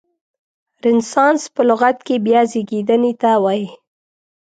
رنسانس په لغت کې بیا زیږیدنې ته وایي.